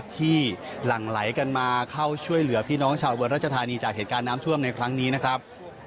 หลั่งไหลกันมาเข้าช่วยเหลือพี่น้องชาวอุบลราชธานีจากเหตุการณ์น้ำท่วมในครั้งนี้นะครับ